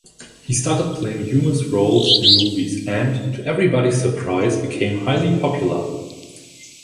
He started playing humorous roles in movies and, to everybody's surprise, became highly popular.